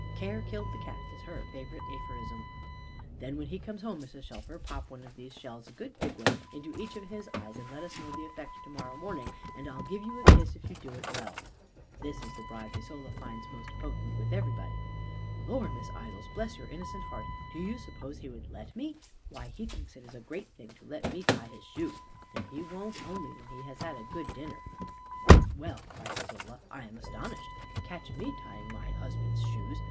"Care killed the cat," is her favourite aphorism. "Then when he comes home, Mrs. Shelfer, pop one of these shells, a good big one, into each of his eyes; and let us know the effect to morrow morning, and I'll give you a kiss, if you do it well." This is the bribe Isola finds most potent with everybody. "Lor, Miss Idols, bless your innocent heart, do you suppose he would let me? Why he thinks it a great thing to let me tie his shoe, and he won't only when he has had a good dinner." "Well," cries Isola, "I am astonished! Catch me tying my husband's shoes!